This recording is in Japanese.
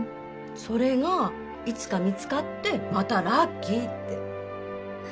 それがいつか見つかってまたラッキーって！